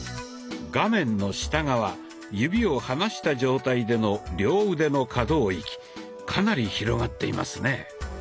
画面の下側指を離した状態での両腕の可動域かなり広がっていますね。